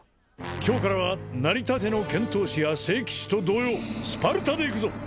今日からはなりたての拳闘士や聖騎士と同様スパルタでいくぞ！